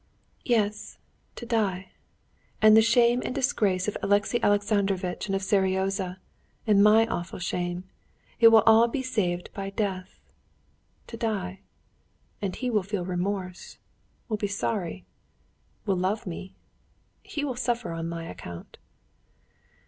"Yes, to die!... And the shame and disgrace of Alexey Alexandrovitch and of Seryozha, and my awful shame, it will all be saved by death. To die! and he will feel remorse; will be sorry; will love me; he will suffer on my account."